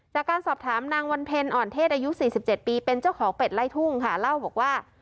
จากการสอบถามนางวันเพ็ญอ่อนเทศอายุ๔๗ปีเป็นเจ้าของเป็ดไล่ทุ่งค่ะเล่าบอกว่า